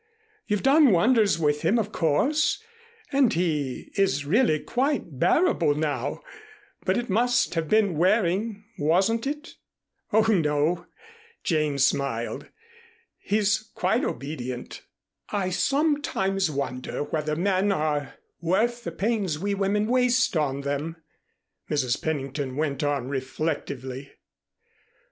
You've done wonders with him, of course, and he is really quite bearable now, but it must have been wearing, wasn't it?" "Oh, no," Jane smiled. "He's quite obedient." "I sometimes wonder whether men are worth the pains we women waste on them." Mrs. Pennington went on reflectively.